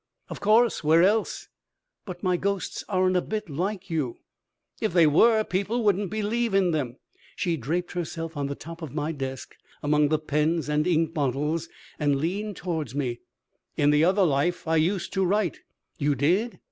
"Of course. Where else?" "But my ghosts aren't a bit like you " "If they were people wouldn't believe in them." She draped herself on the top of my desk among the pens and ink bottles and leaned towards me. "In the other life I used to write." "You did!"